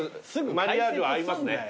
マリアージュは合いますね。